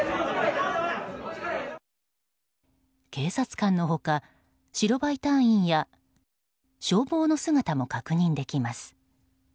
警察官の他、白バイ隊員や消防の姿も確認できます。